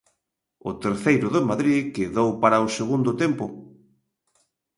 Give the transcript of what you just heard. O terceiro do Madrid quedou para o segundo tempo.